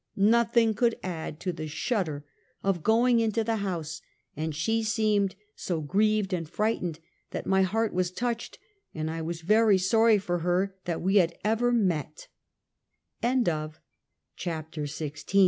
Nothing could add to the shudder of going in*to the house, and she seemed so grieved and frightened that my heart was touched, and I was sorry for her that we had e